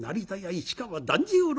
市川團十郎